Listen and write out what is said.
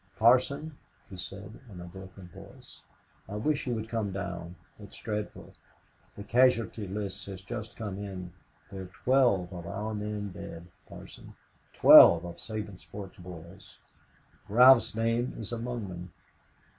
"Parson," he said, in a broken voice, "I wish you would come down. It's dreadful! The casualty list has just come in there are twelve of our men dead, Parson twelve of Sabinsport's boys. Ralph's name is among them.